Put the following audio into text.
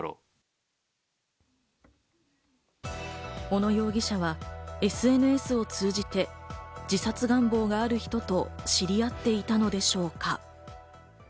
小野容疑者はＳＮＳを通じて自殺願望がある人と知り会っていたのでしょうか？